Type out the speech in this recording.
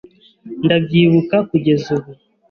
Ndabyibuka kugeza ubu